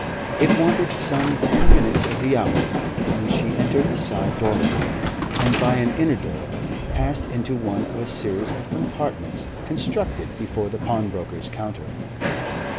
It wanted some ten minutes of the hour when she entered a side doorway, and, by an inner door, passed into one of a series of compartments constructed before the pawnbroker's counter.